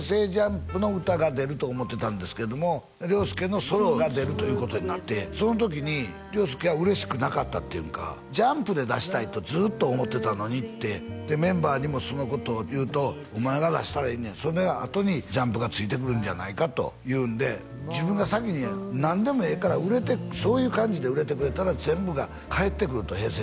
ＪＵＭＰの歌が出ると思ってたんですけれども涼介のソロが出るということになってその時に涼介は嬉しくなかったっていうんかＪＵＭＰで出したいとずっと思ってたのにってでメンバーにもそのことを言うとお前が出したらええねやそのあとにＪＵＭＰがついてくるんじゃないかというんで自分が先に何でもええから売れてそういう感じで売れてくれたら全部が返ってくるとＨｅｙ！